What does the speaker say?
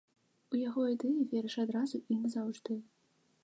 У яго ідэі верыш адразу і назаўжды.